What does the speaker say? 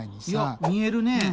いや見えるね。